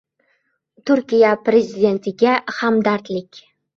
Turkiya Prezidentiga hamdardlik